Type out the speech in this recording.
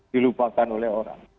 dilupakan oleh orang